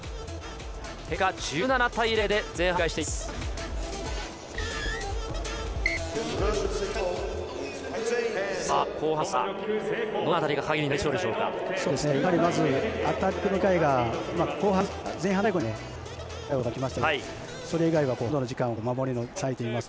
結果、１７対０で前半折り返しています。